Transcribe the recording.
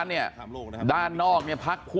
โอ้โหยังไม่หยุดนะครับ